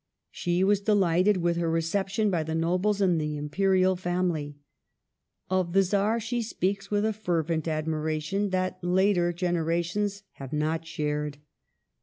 She was delighted with her reception by the nobles and the Imperial family. Of the Czar she speaks with a fervent admiration that later gen erations have not shared.